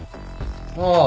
ああ。